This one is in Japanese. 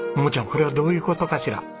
これはどういう事かしら？